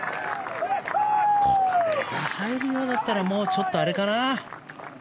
これが入るようだったらもうちょっとあれかな。